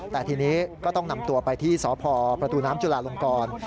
แต่ทีนี้ก็ต้องนำตัวไปที่สพประตูน้ำจุลาลงกร